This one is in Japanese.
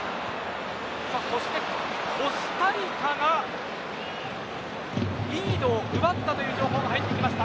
そして、コスタリカがリードを奪ったという情報が入ってきました。